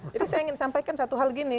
jadi saya ingin sampaikan satu hal begini